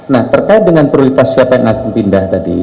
nah terkait dengan prioritas siapa yang akan pindah tadi